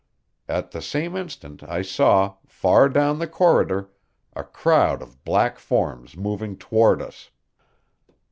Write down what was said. At the same instant I saw, far down the corridor, a crowd of black forms moving toward us.